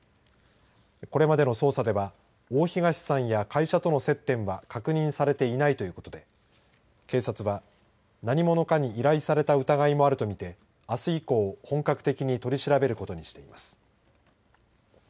これまでの捜査では大東さんや会社との接点は確認されていないということで警察は何者かに依頼された疑いもあると見てあす以降、本格的に取り調べることにしています。